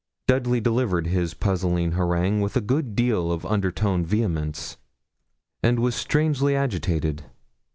Dudley delivered his puzzling harangue with a good deal of undertoned vehemence, and was strangely agitated.